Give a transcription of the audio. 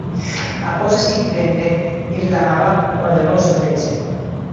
Após ese incidente, Islamabad ordenou o seu feche.